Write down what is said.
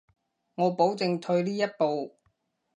我保證退呢一步